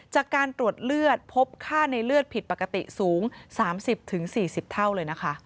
จากการตรวจเลือดพบค่าในเลือดผิดปกติสูง๓๐๔๐เท่าเลยนะคะ